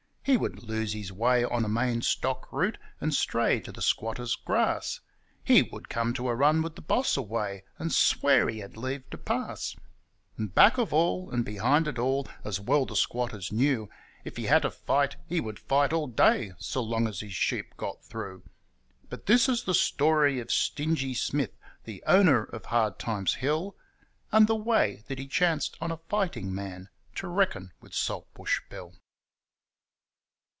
He would lose his way on a Main Stock Route, and stray to the squatters' grass; He would come to a run with the boss away, and swear he had leave to pass; And back of all and behind it all, as well the squatters knew, If he had to fight, he would fight all day, so long as his sheep got through: But this is the story of Stingy Smith, the owner of Hard Times Hill, And the way that he chanced on a fighting man to reckon with Saltbush Bill.